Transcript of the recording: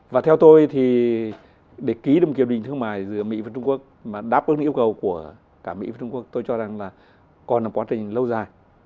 và theo tôi thì để ký được một hiệp định thương mại giữa mỹ và trung quốc mà đáp ứng yêu cầu của cả mỹ và trung quốc tôi cho rằng là còn là quá trình lâu dài